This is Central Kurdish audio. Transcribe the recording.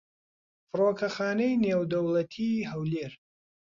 فڕۆکەخانەی نێودەوڵەتیی هەولێر